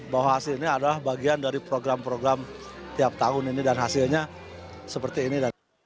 bahwa hasil ini adalah bagian dari program program tiap tahun ini dan hasilnya seperti ini